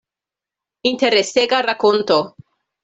Interesega rakonto.